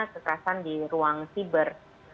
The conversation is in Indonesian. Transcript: kekerasan di ruang siber